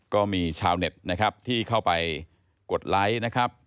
ก็มีชาวเน็ตนะครับที่เข้าไปกดไลค์นะครับ